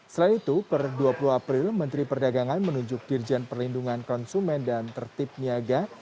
selain itu per dua puluh april menteri perdagangan menunjuk dirjen perlindungan konsumen dan tertip niaga